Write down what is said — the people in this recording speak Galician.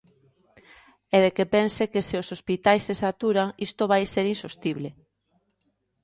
E de que pense que se os hospitais se saturan, isto vai ser insostible.